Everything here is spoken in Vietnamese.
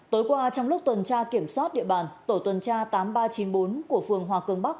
tối qua trong lúc tuần tra kiểm soát địa bàn tổ tuần tra tám nghìn ba trăm chín mươi bốn của phường hòa cường bắc